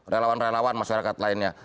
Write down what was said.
relawan relawan masyarakat lainnya